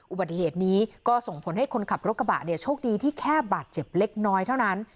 อุบัติเหตุนี้ก็ส่งผลให้คนขับรถกระบะเนี่ยโชคดีที่แค่บาดเจ็บเล็กน้อยเท่านั้น